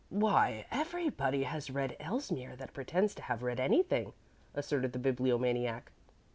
"Why, everybody has read Elsmere that pretends to have read anything," asserted the Bibliomaniac.